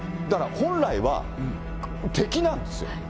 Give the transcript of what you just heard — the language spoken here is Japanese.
だから本来は、敵なんですよ。